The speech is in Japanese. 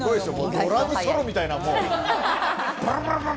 ドラムソロみたいな。